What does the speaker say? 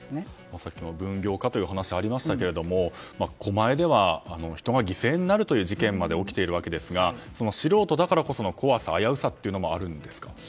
先ほども分業化という話がありましたが狛江では人が犠牲になるという事件まで起きているわけですが素人だからこその怖さ危うさもあるんですか？